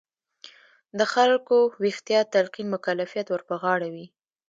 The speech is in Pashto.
د خلکو ویښتیا تلقین مکلفیت ور په غاړه وي.